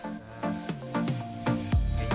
nah sebelum dibentuk menjadi cobek